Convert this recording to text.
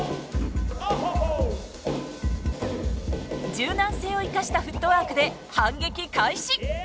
柔軟性を生かしたフットワークで反撃開始。